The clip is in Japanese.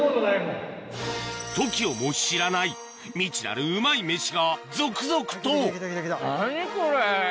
ＴＯＫＩＯも知らない未知なるうまいメシが続々と何これ！